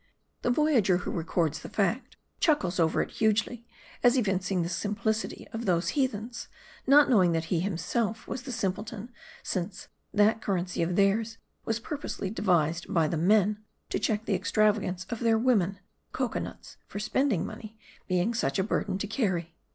The voy ager who records the fact, v chuckles over it hugely ; as evincing the simplicity of those heathens; not knowing that he himself was the simpleton ; since that currency of theirs was purposely devised by the men, to check the extrava gance of their women ; cocoanuts, for spending money, being such a burden to carry.